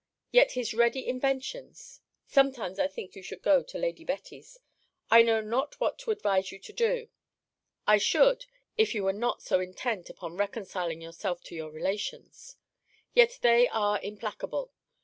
Yet his ready inventions Sometimes I think you should go to Lady Betty's. I know not what to advise you to do. I should, if you were not so intent upon reconciling yourself to your relations. Yet they are implacable.